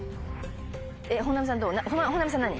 本並さん何？